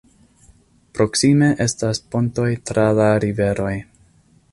Proksime estas pontoj tra la riveroj.